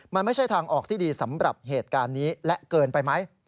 มันไม่ใช่ทางออกที่ดีสำหรับเหตุการณ์นี้และเกินไปไหม